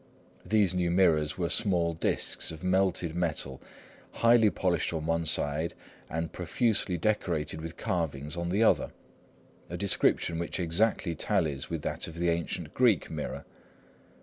These new mirrors were small disks of melted metal, highly polished on one side and profusely decorated with carvings on the other,—a description which exactly tallies with that of the ancient Greek mirror.